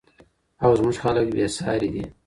او زموږ خلک بې ساري دي.